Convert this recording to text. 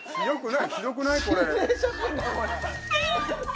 ひどくない？